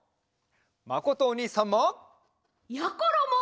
まことおにいさんも！やころも！